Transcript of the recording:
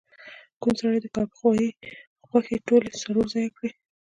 کوڼ سړي د کاږه غوایی غوښې ټولی څلور ځایه کړی